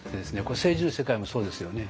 これ政治の世界もそうですよね。